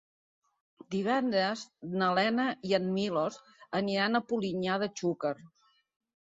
Divendres na Lena i en Milos aniran a Polinyà de Xúquer.